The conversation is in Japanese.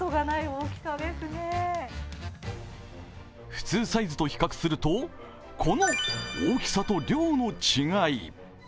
普通サイズと比較すると、この大きさと量の違い。